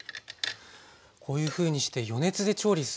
こういうふうにして余熱で調理するんですね。